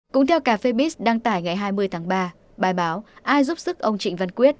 cũng theo cà phê biz đăng tải ngày hai mươi tháng ba bài báo ai giúp sức ông trịnh văn quyết